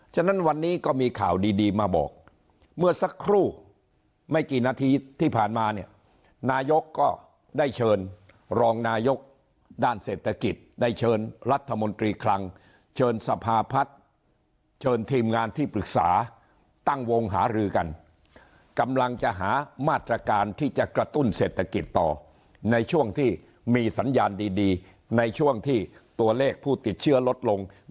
ฉะนั้นวันนี้ก็มีข่าวดีมาบอกเมื่อสักครู่ไม่กี่นาทีที่ผ่านมาเนี่ยนายกก็ได้เชิญรองนายกด้านเศรษฐกิจได้เชิญรัฐมนตรีคลังเชิญสภาพัฒน์เชิญทีมงานที่ปรึกษาตั้งวงหารือกันกำลังจะหามาตรการที่จะกระตุ้นเศรษฐกิจต่อในช่วงที่มีสัญญาณดีในช่วงที่ตัวเลขผู้ติดเชื้อลดลง